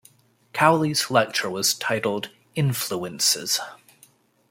Cowley's lecture was titled "Influences".